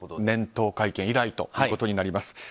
年頭会見以来ということになります。